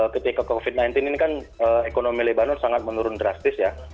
ketika covid sembilan belas ini kan ekonomi lebanon sangat menurun drastis ya